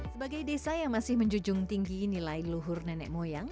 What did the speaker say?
sebagai desa yang masih menjunjung tinggi nilai luhur nenek moyang